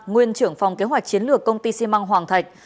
nguyên trưởng phòng kế hoạch chiến lược công ty xi măng hoàng thạch